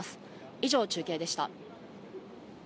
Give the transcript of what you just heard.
以上、中継でした。